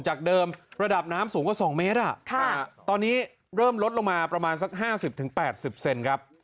จากเดิมระดับน้ำสูงกว่า๒เมตรตอนนี้เริ่มลดลงมาประมาณสัก๕๐๘๐เซนครับ